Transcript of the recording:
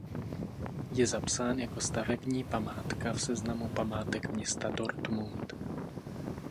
Je zapsán jako stavební památka v seznamu památek města Dortmund.